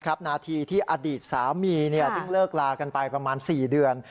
นาทีที่อดีตสามีซึ่งเลิกลากันไปประมาณ๔เดือน